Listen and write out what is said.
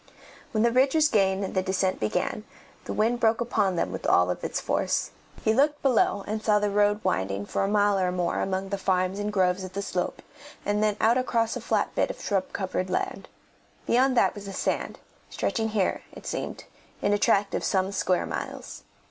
When the ridge was gained and the descent began, the wind broke upon them with all its force. He looked below and saw the road winding for a mile or more among the farms and groves of the slope, and then out across a flat bit of shrub covered land; beyond that was the sand, stretching here, it seemed, in a tract of some square miles.